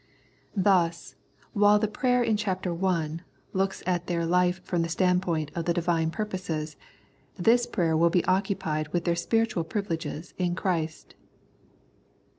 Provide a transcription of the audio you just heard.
Thus, while the prayer in ch. i. looks at their life from the standpoint of the Divine purposes, this prayer will be occupied with their spiritual privileges in Christ.